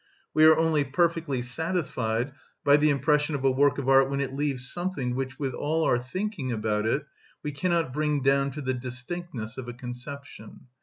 We are only perfectly satisfied by the impression of a work of art when it leaves something which, with all our thinking about it, we cannot bring down to the distinctness of a conception.